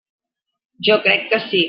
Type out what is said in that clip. Jo crec que sí.